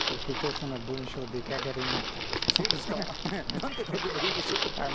何て書けばいいでしょう？